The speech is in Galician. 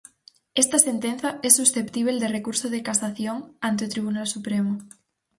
Esta sentenza é susceptíbel de recurso de casación ante o Tribunal Supremo.